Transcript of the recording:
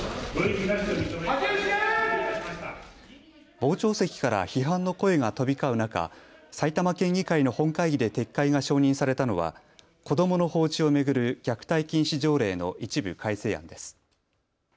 傍聴席から批判の声が飛び交う中埼玉県議会の本議会で撤回が承認されたのは子どもの放置を巡る虐待禁止条例の一部改正案です。